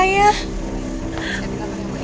saya bilang aja bu